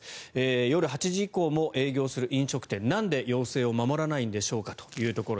夜８時以降も営業する飲食店なんで要請を守らないのでしょうか。